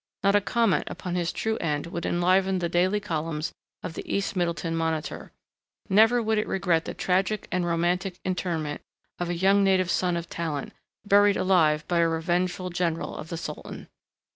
Not a comment upon his true end would enliven the daily columns of the East Middleton Monitor. Never would it regret the tragic and romantic interment of a young native son of talent, buried alive by a revengeful general of the Sultan....